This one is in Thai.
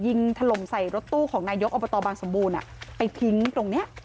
ถล่มใส่รถตู้ของนายกอบตบางสมบูรณ์ไปทิ้งตรงนี้